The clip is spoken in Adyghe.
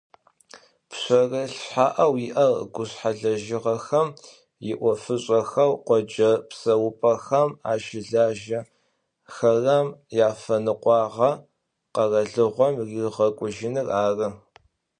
Пшъэрылъ шъхьаӏэу иӏэр гушъхьэлэжьыгъэм иӏофышӏэхэу къоджэ псэупӏэхэм ащылажьэхэрэм яфэныкъуагъэ къэралыгъом ригъэкъужьыныр ары.